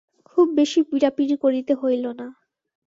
খুব বেশি পীড়াপীড়ি করিতে হইল না।